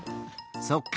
そっか。